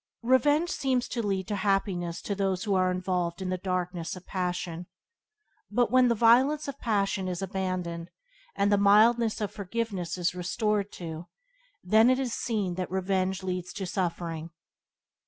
Revenge seems to lead to happiness to those who are involved in the darkness of passion; but when the violence of passion is abandoned, and the mildness of forgiveness is restored to, then it is seen that revenge leads to suffering.